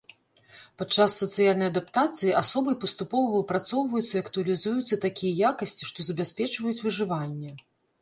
Падчас сацыяльнай адаптацыі асобай паступова выпрацоўваюцца і актуалізуюцца такія якасці, што забяспечваюць выжыванне.